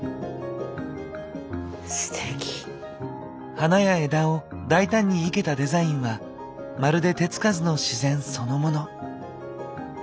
花や枝を大胆に生けたデザインはまるで手つかずの自然そのもの。